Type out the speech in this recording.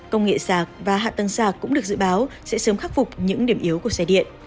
công nghệ sạc và hạ tăng sạc cũng được dự báo sẽ sớm khắc phục những điểm yếu của xe điện